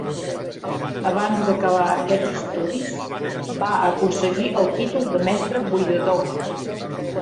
Abans d'acabar aquests estudis, va aconseguir el títol de Mestre Buidador.